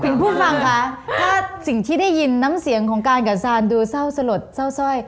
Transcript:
ผู้ฟังคะถ้าสิ่งที่ได้ยินน้ำเสียงของการกับซานดูเศร้าสลดเศร้าสร้อย